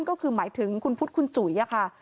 ก็คือหมายถึงคุณพุทธคุณจุ๋ยค่ะ